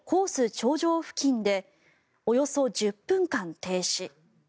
頂上付近でおよそ１０分間停止。